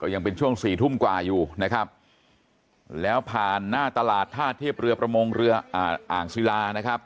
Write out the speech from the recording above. ก็ยังเป็นช่วง๔ทุ่มกว่าอยู่นะครับแล้วผ่านหน้าตลาดท่าเทียบเรือประมงเรืออ่างศิลานะครับ